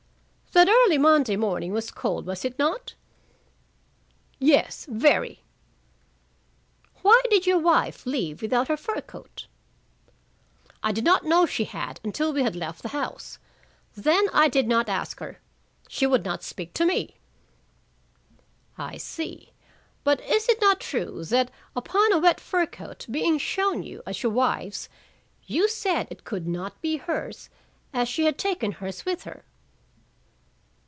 "That early Monday morning was cold, was it not?" "Yes. Very." "Why did your wife leave without her fur coat?" "I did not know she had until we had left the house. Then I did not ask her. She would not speak to me." "I see. But is it not true that, upon a wet fur coat being shown you as your wife's, you said it could not be hers, as she had taken hers with her?"